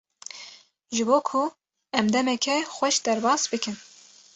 Ji bo ku em demeke xweş derbas bikin.